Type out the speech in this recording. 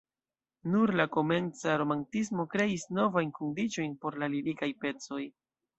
Nur la komenca romantismo kreis novajn kondiĉojn por la lirikaj pecoj.